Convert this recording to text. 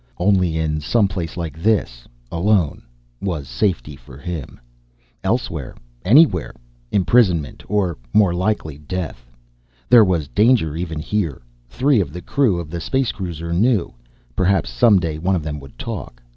Only in some place like this, alone, was safety for him. Elsewhere anywhere imprisonment or, more likely, death. There was danger, even here. Three of the crew of the space cruiser knew. Perhaps, someday, one of them would talk.